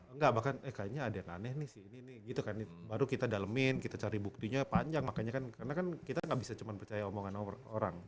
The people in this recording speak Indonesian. enggak bahkan eh kayaknya ada yang aneh nih sih ini nih gitu kan baru kita dalemin kita cari buktinya panjang makanya kan karena kan kita nggak bisa cuma percaya omongan orang